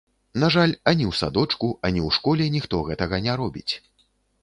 На жаль, ані ў садочку, ані ў школе ніхто гэтага не робіць.